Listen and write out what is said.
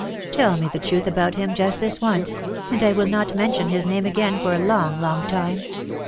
Tell me the truth about him just this once, and I will not mention his name again for a lorg, long time.